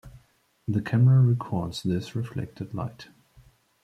The camera records this reflected light.